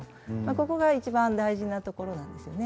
ここが一番大事なところなんですよね。